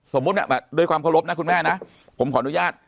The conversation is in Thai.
ด้วยความเคารพนะคุณแม่นะผมขออนุญาต